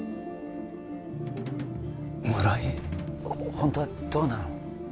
ホントはどうなの？